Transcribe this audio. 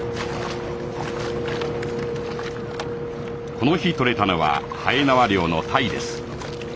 この日取れたのははえなわ漁のタイです